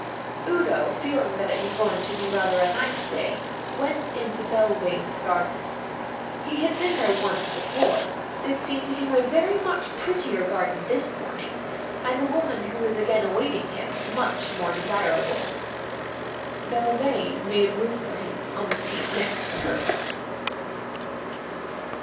Udo, feeling that it was going to be rather a nice day, went into Belvane's garden. He had been there once before; it seemed to him a very much prettier garden this morning, and the woman who was again awaiting him much more desirable. Belvane made room for him on the seat next to her.